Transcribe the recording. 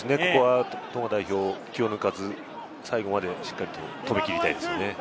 トンガ代表、ここは気を抜かず、最後までしっかりと止め切りたいですね。